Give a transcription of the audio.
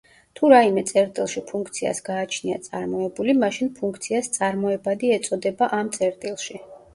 თუ რაიმე წერტილში ფუნქციას გააჩნია წარმოებული, მაშინ ფუნქციას წარმოებადი ეწოდება ამ წერტილში.